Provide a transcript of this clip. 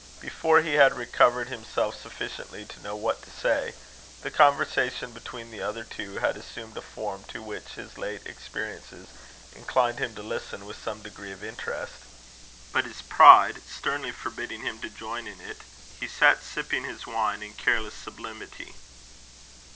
Before he had recovered himself sufficiently to know what to say, the conversation between the other two had assumed a form to which his late experiences inclined him to listen with some degree of interest. But, his pride sternly forbidding him to join in it, he sat sipping his wine in careless sublimity.